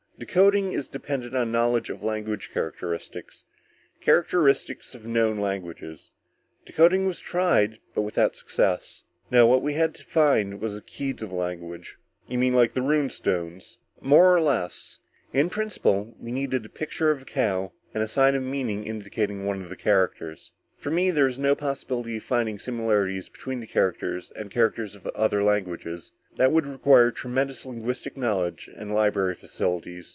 Decoding is dependent on knowledge of language characteristics characteristics of known languages. Decoding was tried, but without success. No, what we had to find was a key to the language." "You mean like the Rune Stone?" "More or less. In principle, we needed a picture of a cow, and a sign of meaning indicating one of the characters. "For me, there was no possibility of finding similarities between the characters and characters of other languages that would require tremendous linguistic knowledge and library facilities.